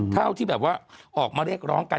เท่าที่แบบว่าออกมาเรียกร้องกัน